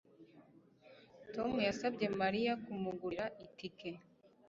Tom yasabye Mariya kumugurira itike